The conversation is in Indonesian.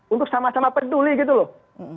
untuk sama sama peduli gitu loh